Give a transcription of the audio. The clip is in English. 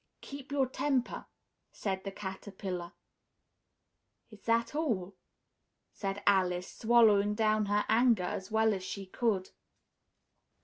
"Keep your temper," said the Caterpillar. "Is that all?" said Alice, swallowing down her anger as well as she could.